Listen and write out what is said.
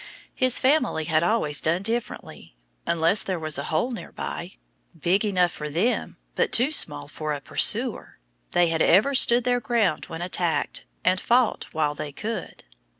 His family had always done differently. Unless there was a hole near by, big enough for them but too small for a pursuer, they had ever stood their ground when attacked and fought while they could.